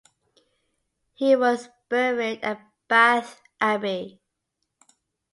He was buried at Bath Abbey.